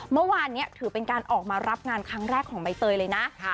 เมื่อวานนี้ถือเป็นการออกมารับงานครั้งแรกของใบเตยเลยนะ